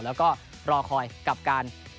แล้วก็รอคอยกับการ